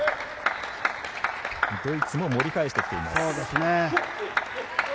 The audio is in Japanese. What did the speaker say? ドイツも盛り返してきています。